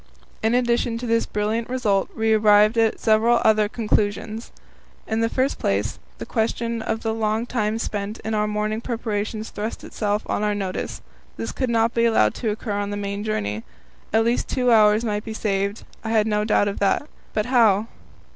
In addition to this brilliant result, we arrived at several other conclusions. In the first place, the question of the long time spent in our morning preparations thrust itself on our notice: this could not be allowed to occur on the main journey. At least two hours might be saved, I had no doubt of that but how?